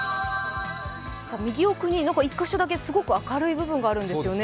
右奥に１カ所だけすごく明るい部分があるんですよね。